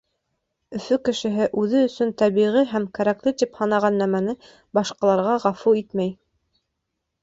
Өфө кешеһе үҙе өсөн тәбиғи һәм кәрәкле тип һанаған нәмәне башҡаларға ғәфү итмәй.